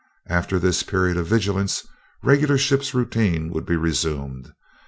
After this period of vigilance, regular ship's routine would be resumed.